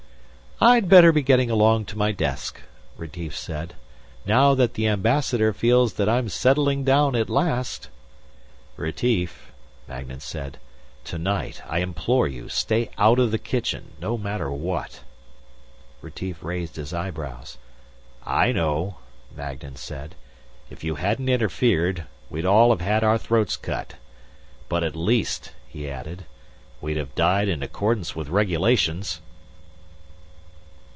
"I'd better be getting along to my desk," Retief said. "Now that the Ambassador feels that I'm settling down at last " "Retief," Magnan said, "tonight, I implore you. Stay out of the kitchen no matter what." Retief raised his eyebrows. "I know," Magnan said. "If you hadn't interfered, we'd all have had our throats cut. But at least," he added, "we'd have died in accordance with regulations!"